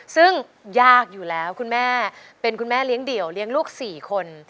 ซึ่งยากอยู่แล้วคุณแม่เป็นคุณแม่เลี้ยงเดี่ยวเลี้ยงลูก๔คน